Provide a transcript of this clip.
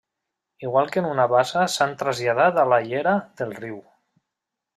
Igual que en una bassa s'han traslladat a la llera del riu.